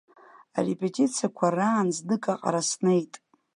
Арепетициақәа раан знык аҟара снеит.